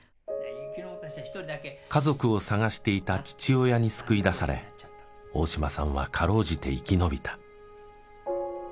家族を捜していた父親に救い出され大島さんは辛うじて生き延びた。